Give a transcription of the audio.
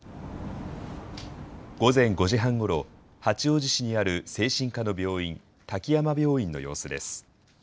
午前５時半ごろ、八王子市にある精神科の病院、滝山病院の様子です。